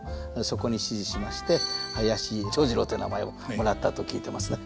そこに師事しまして林長二郎という名前をもらったと聞いてますね。